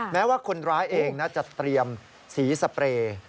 แม้ว่าคนร้ายเองนะจะเตรียมสีสเปรย์